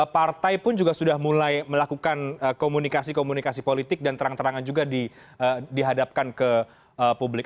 partai pun juga sudah mulai melakukan komunikasi komunikasi politik dan terang terangan juga dihadapkan ke publik